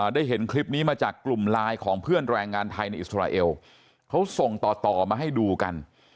ได้เห็นคลิปนี้มาจากกลุ่มไลน์ของเพื่อนแรงงานไทยในอิสราเอลเขาส่งต่อต่อมาให้ดูกัน